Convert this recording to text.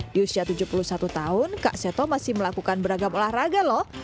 di usia tujuh puluh satu tahun kak seto masih melakukan beragam olahraga loh